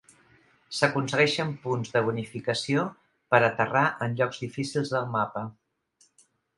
S'aconsegueixen punts de bonificació per aterrar en llocs difícils del mapa.